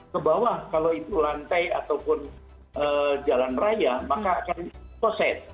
ke bawah kalau itu lantai ataupun jalan raya maka akan koset